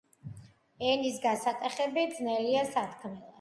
ენის გასატეხები ძნელია სათქმელად